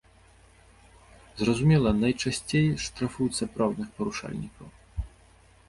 Зразумела, найчасцей штрафуюць сапраўдных парушальнікаў.